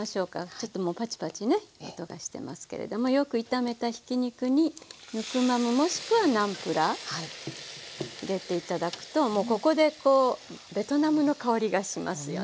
ちょっともうパチパチね音がしてますけれどもよく炒めたひき肉にヌクマムもしくはナムプラー入れて頂くともうここでベトナムの香りがしますよね。